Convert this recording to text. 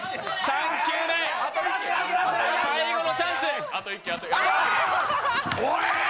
３球目、最後のチャンス。